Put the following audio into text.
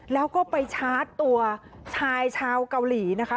แล้วก็ไปชาร์จตัวชายชาวเกาหลีนะคะ